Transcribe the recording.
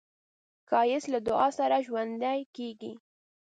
ښایست له دعا سره ژوندی کېږي